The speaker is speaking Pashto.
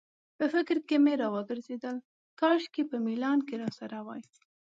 په فکر کې مې راوګرځېدل، کاشکې په میلان کې راسره وای.